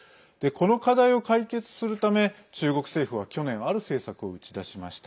この課題を解決するため中国政府は、去年ある政策を打ち出しました。